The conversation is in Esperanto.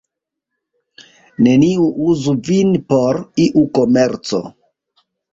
Neniu uzu vin por iu komerco.